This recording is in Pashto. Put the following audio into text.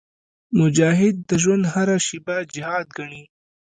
مجاهد د ژوند هره شېبه جهاد ګڼي.